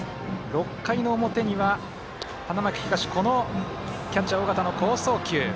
６回の表には花巻東キャッチャー、尾形の好送球。